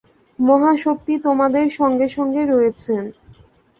মহাশক্তি তোমাদের সঙ্গে সঙ্গে রয়েছেন।